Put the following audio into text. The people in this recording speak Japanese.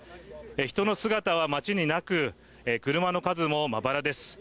人の姿は町になく、車の数もまばらです。